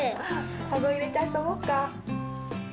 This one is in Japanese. カゴいれてあそぼっか。